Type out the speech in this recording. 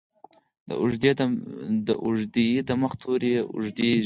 د اوږدې ې د مخه توری اوږدزير غواړي.